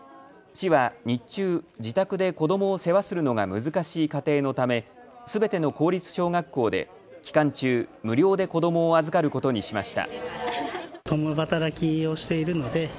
市は日中、自宅で子どもを世話するのが難しい家庭のためすべての公立小学校で期間中、無料で子どもを預かることにしました。